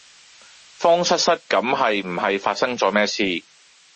慌失失咁係唔係發生左咩事？